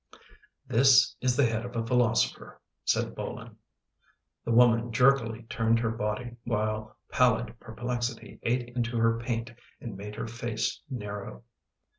" This is the head of a philosopher," said Bolin. The woman jerkily turned her body, while pallid perplexity ate into her paint and made her face narrow.